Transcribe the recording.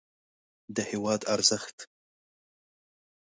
د هېواد ارزښت